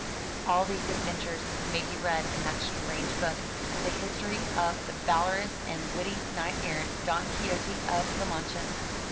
All these adven tures may be read in that strange book, The History of the Valor ous and Witty Knight Errant, Don Quixote of La Mancha.